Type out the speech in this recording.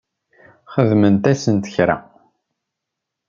Xedment-asent kra?